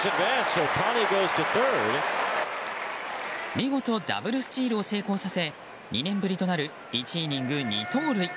見事ダブルスチールを成功させ２年ぶりとなる１イニング２盗塁。